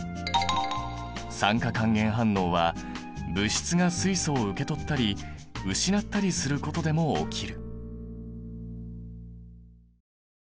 酸化還元反応は物質が水素を受け取ったり失ったりすることでも起きる。